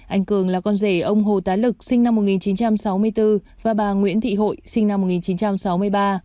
anh cường là con rể ông hồ tái lực sinh năm một nghìn chín trăm sáu mươi bốn và bà nguyễn thị hội sinh năm một nghìn chín trăm sáu mươi ba